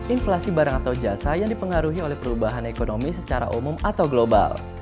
inflasi barang atau jasa yang dipengaruhi oleh perubahan ekonomi secara umum atau global